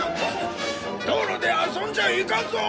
道路で遊んじゃいかんぞー！